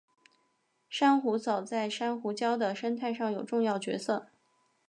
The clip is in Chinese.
珊瑚藻在珊瑚礁的生态上有重要角色。